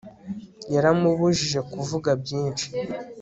yaramubujije kuvuga byinshi